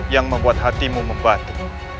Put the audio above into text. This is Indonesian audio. yang membuat hatimu membatu